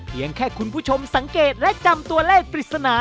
แค่คุณผู้ชมสังเกตและจำตัวเลขปริศนา